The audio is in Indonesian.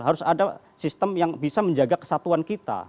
harus ada sistem yang bisa menjaga kesatuan kita